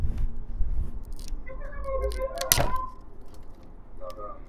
هر څوک له بل څخه لرې او جلا ښکاري